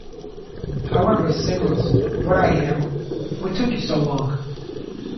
However, singles "What I Am", "What Took You So Long?